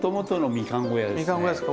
みかん小屋ですか。